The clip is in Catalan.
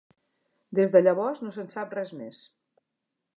Des de llavors no se'n sap res més.